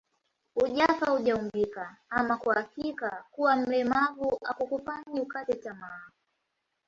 Hujafa hujaumbika ama kwa hakika kuwa mlemavu hakukufanyi ukate tamaa